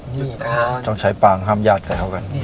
ตรงใช่ปังห้ามญาติให้เขากัน